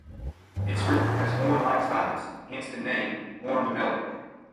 Its fruit has horn-like spines, hence the name "horned melon".